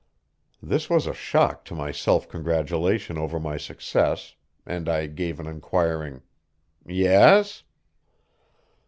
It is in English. This was a shock to my self congratulation over my success, and I gave an inquiring "Yes?"